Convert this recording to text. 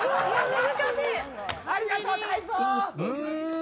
ありがとう泰造！